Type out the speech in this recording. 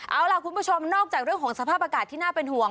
เอาล่ะคุณผู้ชมนอกจากเรื่องของสภาพอากาศที่น่าเป็นห่วง